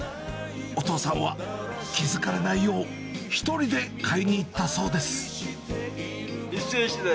お父さんは気付かれないよう、１人で買いにいったそうです。